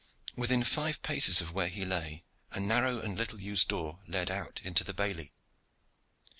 Within five paces of where he lay a narrow and little used door led out into the bailey.